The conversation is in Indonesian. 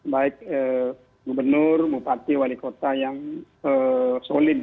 baik gubernur bupati wali kota yang solid